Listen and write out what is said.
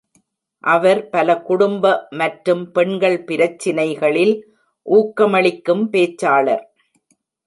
அவர் பல குடும்ப மற்றும் பெண்கள் பிரச்சினைகளில் ஊக்கமளிக்கும் பேச்சாளர்.